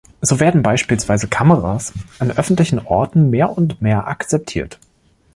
So werden beispielsweise Kameras an öffentlichen Orten mehr und mehr akzeptiert.